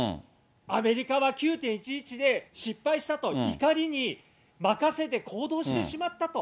アメリカは９・１１で失敗したと、怒りにまかせて行動してしまったと。